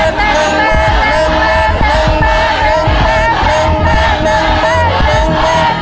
๑หนึ่ง